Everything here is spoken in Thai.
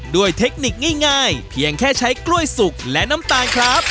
เทคนิคง่ายเพียงแค่ใช้กล้วยสุกและน้ำตาลครับ